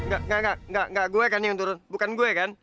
gak gak gak gak gak gue kan yang turun bukan gue kan